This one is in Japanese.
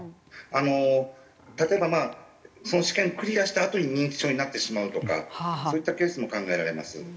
あの例えばまあその試験クリアしたあとに認知症になってしまうとかそういったケースも考えられます。